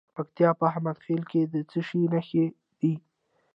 د پکتیا په احمد خیل کې د څه شي نښې دي؟